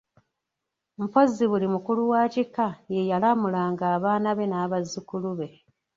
Mpozzi buli mukulu wa kika ye yalamulanga abaana be n'abazzukulu be.